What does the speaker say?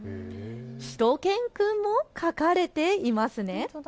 しゅと犬くんも描かれていますね。